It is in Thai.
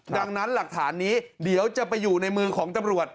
ดังนั้นหลักฐานนี้เดี๋ยวจะไปอยู่ในมือของตำรวจ